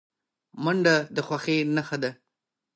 منډه د خوښۍ نښه ده